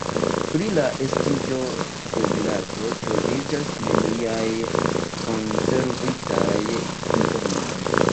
Pri la estiĝo de vilaĝo troviĝas neniaj konservitaj informoj.